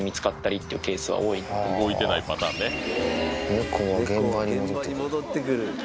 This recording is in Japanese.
「猫は現場に戻ってくる」。